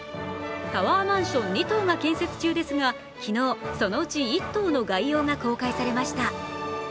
タワーマンション２棟が建設中ですが、昨日、そのうち１棟の概要が公開されました。